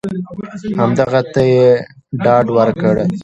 هغه ته یې ډاډ ورکړ !